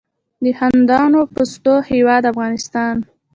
د خندانو پستو هیواد افغانستان.